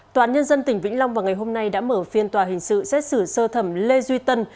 tòa án nhân dân tỉnh vĩnh long vào ngày hôm nay đã mở phiên tòa hình sự xét xử sơ thẩm lê duy tân